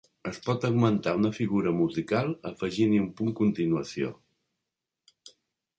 Es pot augmentar una figura musical afegint-hi un punt continuació.